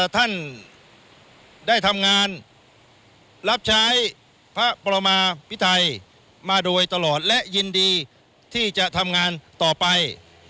ท่านได้ทำงานรับใช้พระประมาพิไทยมาโดยตลอดและยินดีที่จะทำงานต่อไป